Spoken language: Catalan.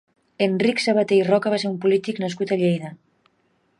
Enric Sabaté i Roca va ser un polític nascut a Lleida.